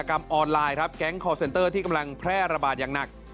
กับแก๊งคอร์เซ็นเตอร์ที่กำลังแพร่ระบาดอย่างหนัก